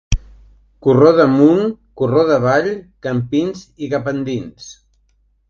Corró d'Amunt, Corró d'Avall, Campins i cap endins.